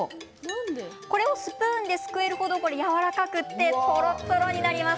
スプーンですくえる程やわらかくとろとろになります。